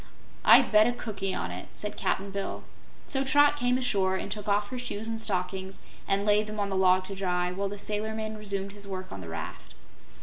"I'd bet a cookie on it," said Cap'n Bill, so Trot came ashore and took off her shoes and stockings and laid them on the log to dry, while the sailor man resumed his work on the raft.